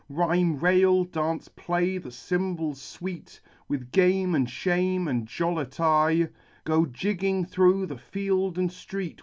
Rhyme, rail, dance, play the cymbals sweet, With game, and shame, and jollity, Go jigging through the field and street.